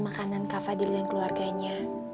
makan makanan kak fadil dan keluarganya